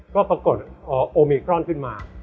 ก็ปรากฏพอโอมิครอนขึ้นมา